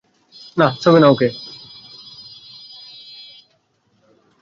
না, ছোঁবে না ওকে!